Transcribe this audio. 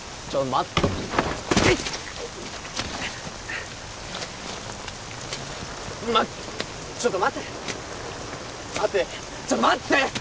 待てちょっと待って！